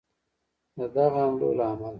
د دغه حملو له امله